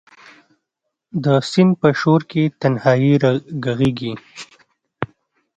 د سیند په شو رکې تنهایې ږغیږې